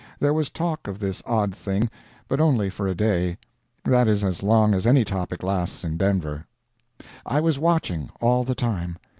There was talk of this odd thing, but only for a day; that is as long as any topic lasts in Denver. I was watching, all the time.